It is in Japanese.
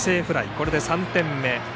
これで３点目。